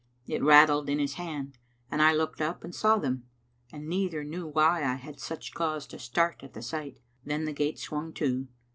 It rattled in his hand, and I looked up and saw them, and neither knew why I had such cause to start at the sight. Then the gate swung to.